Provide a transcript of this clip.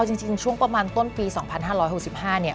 จริงช่วงประมาณต้นปี๒๕๖๕เนี่ย